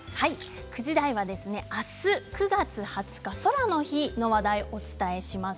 ９時台は明日９月２０日「空の日」の話題をお伝えします。